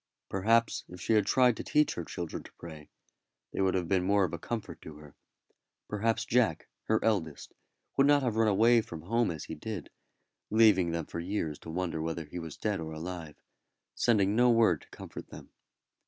Perhaps if she had tried to teach her children to pray, they would have been more of a comfort to her. Perhaps Jack, her eldest, would not have run away from home as he did, leaving them for years to wonder whether he was alive or dead, but sending no word to comfort them.